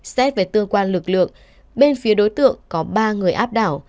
xét về cơ quan lực lượng bên phía đối tượng có ba người áp đảo